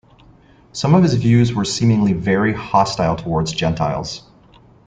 Some of his views were seemingly very hostile towards gentiles.